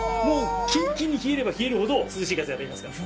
キンキンに冷えれば冷えるほど涼しい風が出ますから。